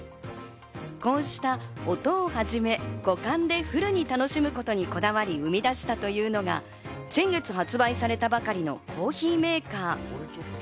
こうした音をはじめ、五感でフルに楽しむことにこだわり、生みだしたというのが先月発売されたばかりのコーヒーメーカー。